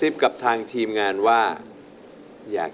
อเรนนี่คือเหตุการณ์เริ่มต้นหลอนช่วงแรกแล้วมีอะไรอีก